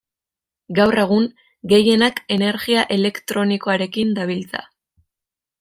Gaur egun, gehienak energia elektrikoarekin dabiltza.